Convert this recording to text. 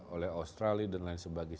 oleh australia dan lain sebagainya